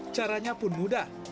caranya pun mudah